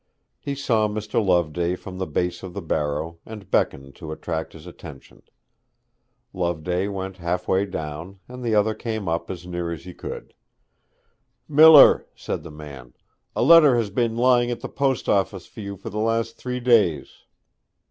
He saw Mr. Loveday from the base of the barrow, and beckoned to attract his attention. Loveday went halfway down, and the other came up as near as he could. 'Miller,' said the man, 'a letter has been lying at the post office for you for the last three days.